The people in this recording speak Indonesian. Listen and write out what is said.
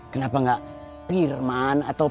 kenapa gak firman atau